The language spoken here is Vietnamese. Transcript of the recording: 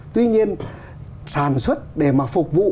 tuy nhiên sản xuất để mà phục vụ